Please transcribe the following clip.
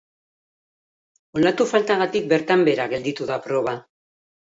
Olatu faltagatik bertan behera gelditu da proba.